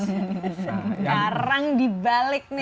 sekarang dibalik nih